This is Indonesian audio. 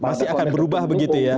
masih akan berubah begitu ya